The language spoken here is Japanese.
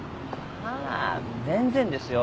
あ全然ですよ。